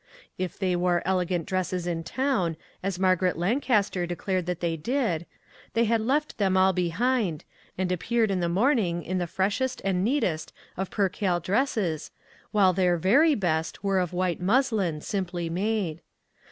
If they wore elegant dresses in town, as Mar garet Lancaster declared that they did, they had left them all behind, and appeared in the morning in the freshest and neatest of percale dresses, while their very best were of white muslin, simply made.